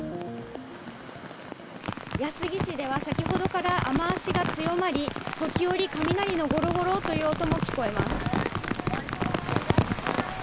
安来市では、先ほどから雨足が強まり、時折、雷のごろごろという音も聞こえます。